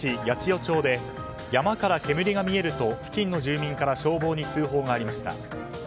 八千代町で山から煙が見えると付近の住民から消防に通報がありました。